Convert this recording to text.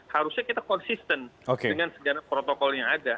harusnya kita konsisten dengan segala protokol yang ada